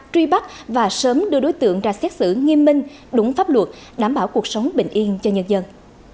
truy bắt và sớm đưa đối tượng ra xét xử nghiêm minh đúng pháp luật đảm bảo cuộc sống bình yên cho nhân dân